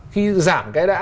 khi giảm cái đã